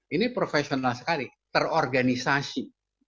ini profesional sekali terorganisasi